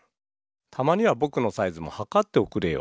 たまにはぼくのサイズもはかっておくれよ。